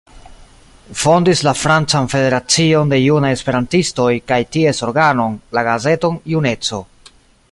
Fondis la Francan Federacion de Junaj Esperantistoj, kaj ties organon, la gazeton „juneco“.